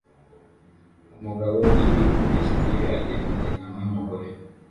Umugabo uri kuri stil agenda inyuma yumugore